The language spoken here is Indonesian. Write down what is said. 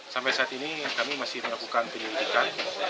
sampai saat ini kami masih melakukan penyelidikan